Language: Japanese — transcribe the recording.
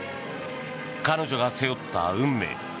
彼女が背負った運命。